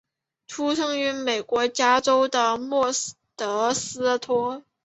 出生于美国加州的莫德斯托。